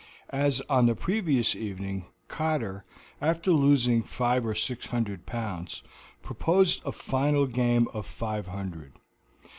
As on the previous evening, Cotter, after losing five or six hundred pounds, proposed a final game of five hundred.